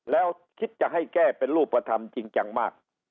แล้วคิดจะให้แก้เป็นรูปธรรมจริงจังมาก